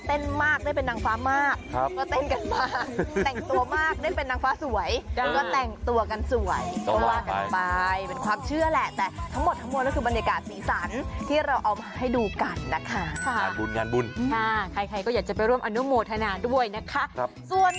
แต่ละคนบอกว่าเต้นมากได้เป็นนางฟ้ามากครับก็เต้นกันมากแต่งตัวมากได้เป็นนางฟ้าสวย